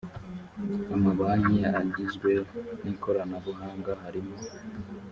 amabanki agizwe n ikoranabuhanga harimo